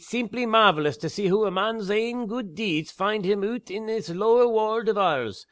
It's seemply mairvelous to see hoo a man's ain gude deeds find him oot in this lower warld o' ours.